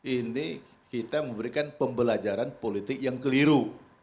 ini kita memberikan pembelajaran politik yang keliru